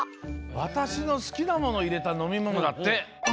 わたしのすきなものをいれたのみものだって。